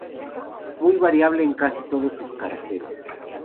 Muy variable en casi todos sus caracteres.